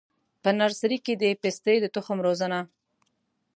په نرسري کي د پستې د تخم روزنه: